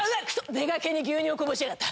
出がけに牛乳をこぼしやがった。